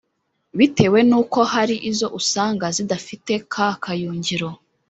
bitewe nuko hari izo usanga zidafite ka kayungiro